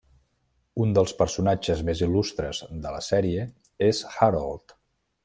Un dels personatges més il·lustres de la sèrie és Harold.